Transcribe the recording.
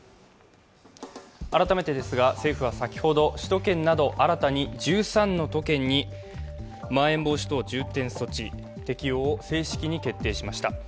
改めて政府は先ほど、首都圏など新たに１３の都県にまん延防止等重点措置、適用を正式に決定しました。